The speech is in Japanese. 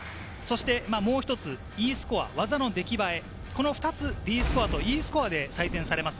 もう一つＥスコア、技の出来栄え、この２つ、ＤスコアとＥスコアで採点されます。